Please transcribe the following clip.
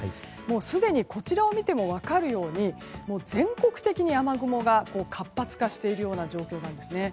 すでにこちらを見ても分かるように全国的に雨雲が活発化しているような状況です。